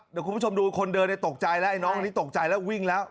เดี๋ยวคุณผู้ชมดูคนเดินตกใจแล้วไอ้น้องคนนี้ตกใจแล้ววิ่งแล้ว